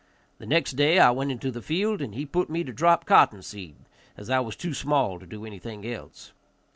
The next day I went into the field, and he put me to drop cotton seed, as I was too small to do anything else.